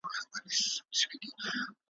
تاریخ کي یوازینی مشر دی .